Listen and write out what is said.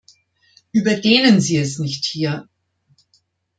Überdehnen Sie es nicht hier!